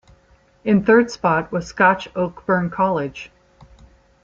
In third spot was Scotch Oakburn College.